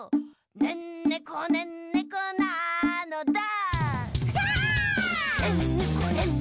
「ねんねこねんねこなのだ」